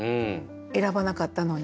選ばなかったのに。